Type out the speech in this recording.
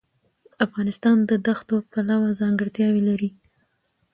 افغانستان د دښتو پلوه ځانګړتیاوې لري.